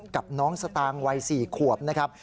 กับน้องสตางค์วัย๔ขวบนะครับ